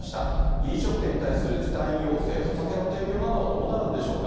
飲食店に対する時短要請、お酒の提供などはどうなるんでしょうか。